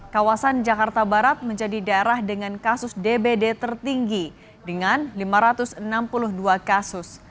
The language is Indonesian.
kawasan jakarta barat menjadi daerah dengan kasus dbd tertinggi dengan lima ratus enam puluh dua kasus